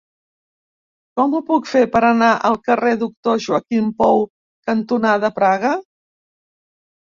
Com ho puc fer per anar al carrer Doctor Joaquim Pou cantonada Praga?